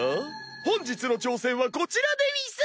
本日の挑戦はこちらでうぃす！